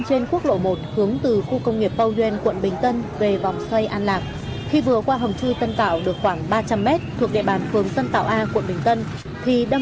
xin chào và hẹn gặp lại các bạn trong những video tiếp theo